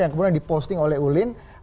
yang kemudian diposting oleh ulin